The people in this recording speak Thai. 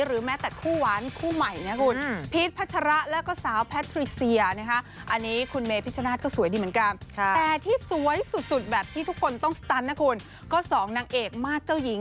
หรือแม้แต่คู่หวานคู่ใหม่นะคุณ